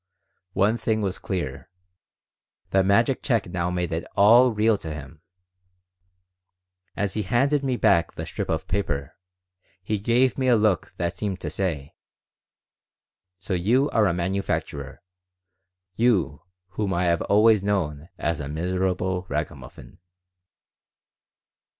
One thing was clear: the magic check now made it all real to him. As he handed me back the strip of paper he gave me a look that seemed to say: "So you are a manufacturer, you whom I have always known as a miserable ragamuffin."